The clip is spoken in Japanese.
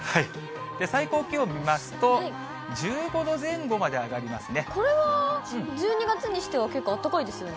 最高気温見ますと、１５度前これは１２月にしては結構あったかいですよね。